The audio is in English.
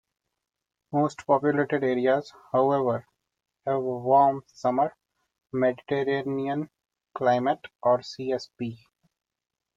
Most populated areas, however, have a warm-summer Mediterranean climate, or "Csb".